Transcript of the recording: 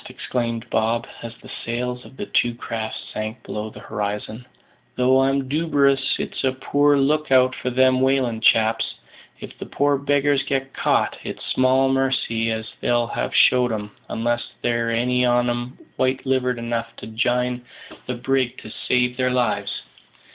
exclaimed Bob, as the sails of the two craft sank below the horizon; "though I'm duberous it's a poor look out for them whalin' chaps. If the poor beggars gets caught, it's small marcy as they'll have showed 'em, unless there's any on 'em white livered enough to jine the brig to save their lives.